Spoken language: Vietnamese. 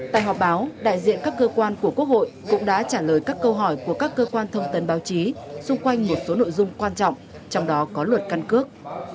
tại họp báo đại diện các cơ quan của quốc hội cũng đã trả lời các câu hỏi của các cơ quan thông tấn báo chí xung quanh một số nội dung quan trọng trong đó có luật căn cước